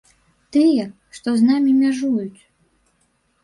Тыя, што з намі мяжуюць.